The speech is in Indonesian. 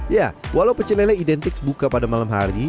ya walau pecelele identik buka pada malam hari